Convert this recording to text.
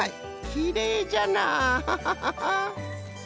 きれいじゃなあ。